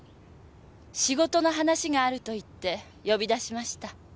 仕事の話があるといって呼び出しました。